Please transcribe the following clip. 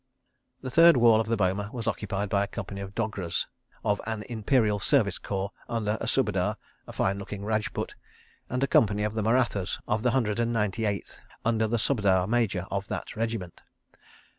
The third wall of the boma was occupied by a company of Dogras of an Imperial Service Corps, under a Subedar, a fine looking Rajput, and a company of Marathas of the Hundred and Ninety Eighth, under the Subedar Major of that regiment.